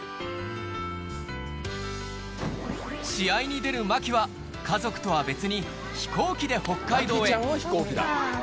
試合に出る茉輝は、家族とは別に飛行機で北海道へ。